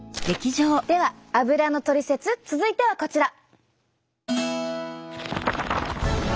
ではアブラのトリセツ続いてはこちら。